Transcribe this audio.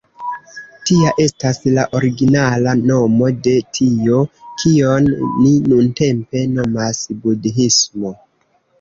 Tia estas la originala nomo de tio, kion ni nuntempe nomas budhismo.